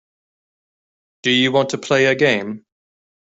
Do you want to play a game.